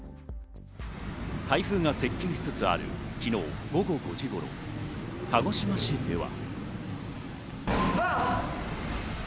台風が接近しつつある昨日午後５時頃、鹿児島市では。